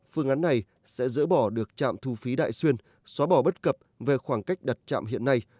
phương án này sẽ dỡ bỏ được trạm thu phí đại xuyên xóa bỏ bất cập về khoảng cách đặt trạm hiện nay